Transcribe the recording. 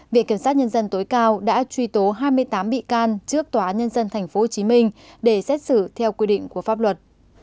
viện kiểm sát nhân dân tối cao đã truy tố hai mươi tám bị can trước tòa án nhân dân tp hcm để xét xử theo quy định của pháp luật